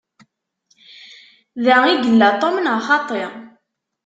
Da i yella Tom, neɣ xaṭi?